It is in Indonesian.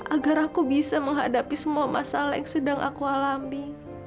agar aku bisa menghadapi semua masalah yang sedang aku alami